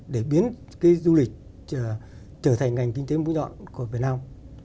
để biến du lịch trở thành ngành kinh tế mũi nhọn của việt nam